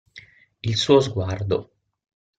Il suo sguardo.